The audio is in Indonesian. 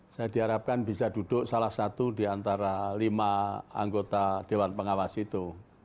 saya diharapkan bisa duduk salah satu di antara lima anggota dewan pengawas itu